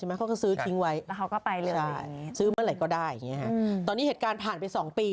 ไม่ให้เลือกใช่ไหมอ๋อไม่ได้ให้ครอบครุมทุกข้อเลย